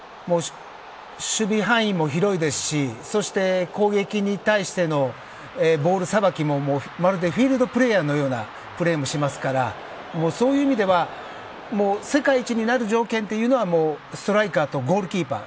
守備範囲も広いですしそして、攻撃に対してのボールさばきもまるでフィールドプレーヤーのようなプレーもしますからそういう意味では世界一になる条件というのはストライカーとゴールキーパー